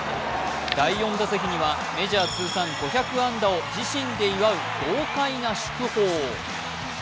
第４打席にはメジャー通算５００安打を自身で祝う豪快な祝砲。